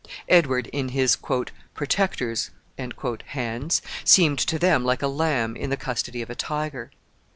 Edward, in his "protector's" hands, seemed to them like a lamb in the custody of a tiger.